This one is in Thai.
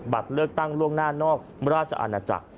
บัตรเลือกตั้งล่วงหน้านอกราชอาณาจักร